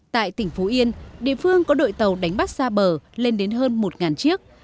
tại tỉnh phú yên địa phương có đội tàu đánh bắt xa bờ lên đến hơn một chiếc